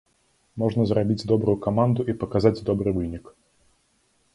Можна зрабіць добрую каманду і паказаць добры вынік.